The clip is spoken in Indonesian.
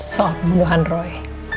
soal pembunuhan roy